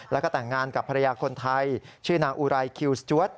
แล้วก็แต่งงานกับภรรยาคนไทยชื่อนางอุไรคิวสจวด